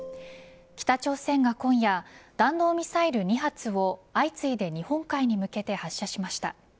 北朝鮮が今夜弾道ミサイル２発を相次いで日本海に向けて発射しました。